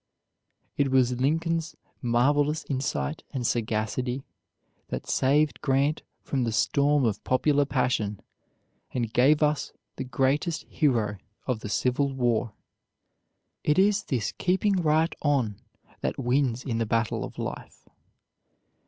It was Lincoln's marvelous insight and sagacity that saved Grant from the storm of popular passion, and gave us the greatest hero of the Civil War. It is this keeping right on that wins in the battle of life.